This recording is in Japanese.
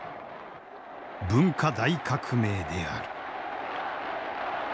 文化大革命である。